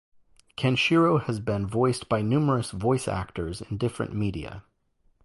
Kenshiro has been voiced by numerous voice actors in different media.